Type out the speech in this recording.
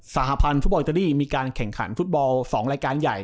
หพันธ์ฟุตบอลอิตาลีมีการแข่งขันฟุตบอล๒รายการใหญ่